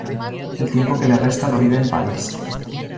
El tiempo que le resta lo vive en París.